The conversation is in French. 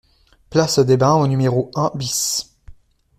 Place des Bains au numéro un BIS